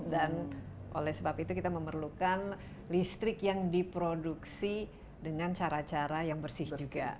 dan oleh sebab itu kita memerlukan listrik yang diproduksi dengan cara cara yang bersih juga